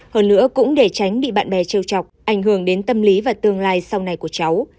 hơn nữa cũng để tránh bị bạn bè chiêu chọc ảnh hưởng đến tâm lý và tương lai sau này của cháu